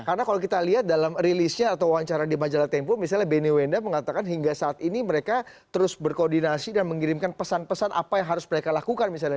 karena kalau kita lihat dalam rilisnya atau wawancara di majalah tempo misalnya benny wendham mengatakan hingga saat ini mereka terus berkoordinasi dan mengirimkan pesan pesan apa yang harus mereka lakukan misalnya